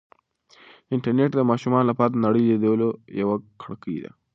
انټرنیټ د ماشومانو لپاره د نړۍ د لیدلو یوه کړکۍ ده.